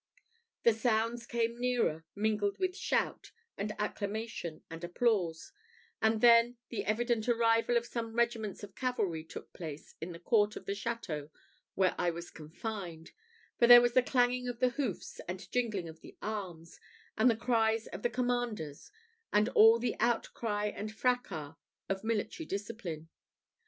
The sounds came nearer, mingled with shout, and acclamation, and applause: and then, the evident arrival of some regiments of cavalry took place in the court of the château where I was confined; for there was the clanging of the hoofs, and jingling of the arms, and the cries of the commanders, and all the outcry and fracas of military discipline.